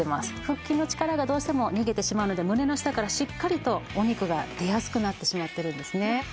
腹筋の力がどうしても逃げてしまうので胸の下からしっかりとお肉が出やすくなってしまっているんですね。